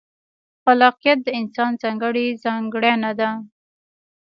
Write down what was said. خلاقیت د انسان ځانګړې ځانګړنه ده.